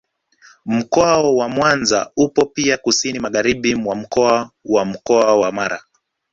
Mkoa wa Mwanza upo pia kusini magharibi mwa mkoa wa Mkoa wa Mara